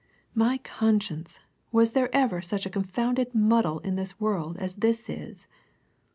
My conscience! was there ever such a confounded muddle in this world as this is!"